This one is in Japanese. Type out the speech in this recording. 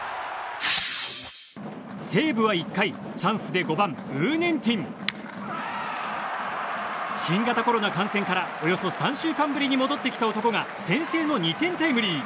西武は１回、チャンスで５番ウー・ネンティン新型コロナ感染からおよそ３週間ぶりに戻ってきた男が先制の２点タイムリー。